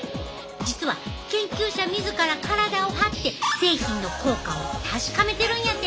実は研究者自ら体を張って製品の効果を確かめてるんやて。